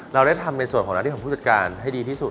เราได้ทำในส่วนของหน้าที่ของผู้จัดการให้ดีที่สุด